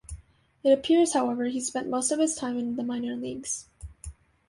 It appears however, he spent most of his time in the minor leagues.